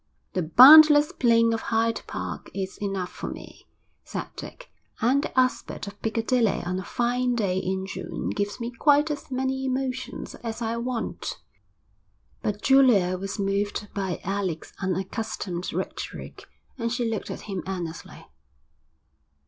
'The boundless plain of Hyde Park is enough for me,' said Dick. 'And the aspect of Piccadilly on a fine day in June gives me quite as many emotions as I want.' But Julia was moved by Alec's unaccustomed rhetoric, and she looked at him earnestly.